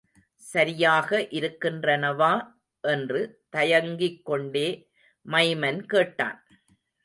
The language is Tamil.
சரியாக இருக்கின்றனவா? என்று தயங்கிக் கொண்டே மைமன் கேட்டான்.